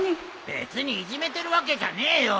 別にいじめてるわけじゃねえよ。